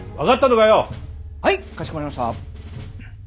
かしこまりました！